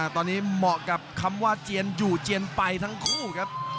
ตอนนี้เหมาะกับคำว่าเจียนอยู่เจียนไปทั้งคู่ครับ